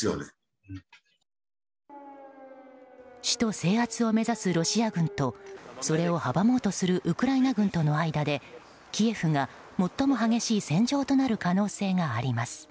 首都制圧を目指すロシア軍とそれを阻もうとするウクライナ軍との間でキエフが最も激しい戦場となる可能性があります。